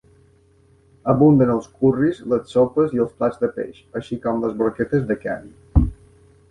Abunden els curris, les sopes i els plats de peix, així com les broquetes de carn.